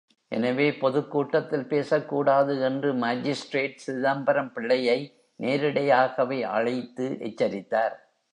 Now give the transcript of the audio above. எனவே பொதுக் கூட்டத்தில் பேசக் கூடாது என்று மாஜிஸ்திரேட் சிதம்பரம் பிள்ளையை நேரிடையாகவே அழைத்து எச்சரித்தார்.